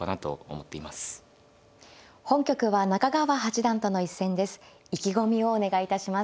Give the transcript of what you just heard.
本局は中川八段との一戦です。